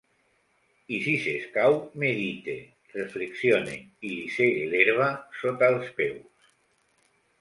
I si s'escau, medite, reflexione, i li segue l’herba sota els peus.